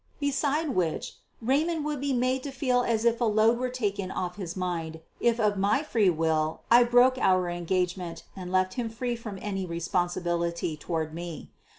Beside which, Raymond would be made to feel as if a load were taken off his mind if of my free will I broke our engagement and left him free from any responsibility toward me.